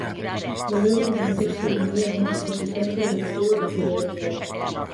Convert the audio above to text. Volveu converterse Dumbría nun epicentro deportivo de primeiro nivel.